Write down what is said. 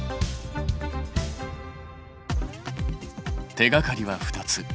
手がかりは２つ。